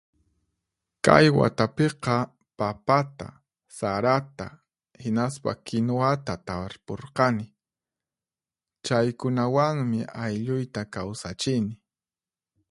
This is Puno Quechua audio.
Kay watapiqa papata, sarata, hinaspa kinuwata tarpurqani. Chaykunawanmi aylluyta kawsachini.